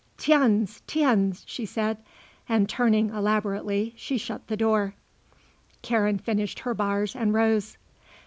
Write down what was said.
"Tiens, tiens," she said, and, turning elaborately, she shut the door. Karen finished her bars and rose.